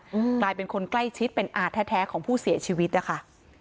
อะไรเป็นคนใกล้ชิดเป็นอาทแท้ของผู้เสียชีวิต่ะค่ะ